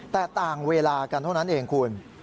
แต่ต่างเวลากันเท่านั้นเองคุณ